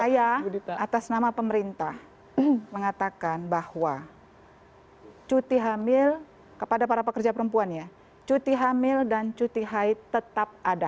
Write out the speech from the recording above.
saya atas nama pemerintah mengatakan bahwa cuti hamil kepada para pekerja perempuan ya cuti hamil dan cuti haid tetap ada